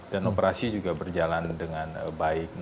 dan operasi juga berjalan dengan baik